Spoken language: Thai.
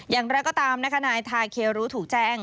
อย่างไรก็ตามนะคะนายทาเครูถูกแจ้ง